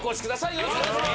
よろしくお願いします。